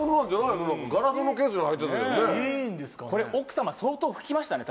これ奥様相当拭きましたね